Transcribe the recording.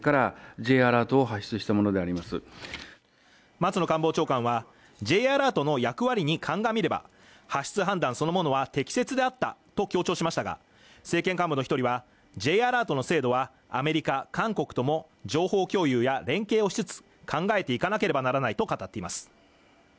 松野官房長官は、Ｊアラートの役割に鑑みれば、発出判断そのものは適切であったと強調しましたが、政権幹部の１人は、Ｊアラートの精度はアメリカ、韓国とも情報共有や連携をしつつ、考えていかなければならないと語っています。